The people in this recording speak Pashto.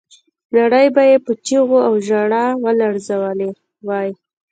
نړۍ به یې په چیغو او ژړاو لړزولې وای.